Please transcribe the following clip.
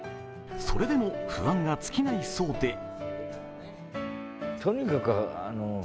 それでも、不安が尽きないそうで。